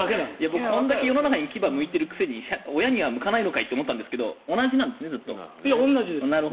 僕これだけ世の中に牙をむいているくせに親には向かないのかと思ったんだけど同じなんですよ。